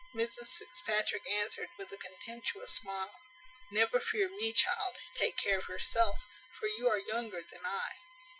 Mrs Fitzpatrick answered, with a contemptuous smile, "Never fear me, child, take care of yourself; for you are younger than I.